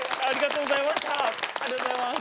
ありがとうございます。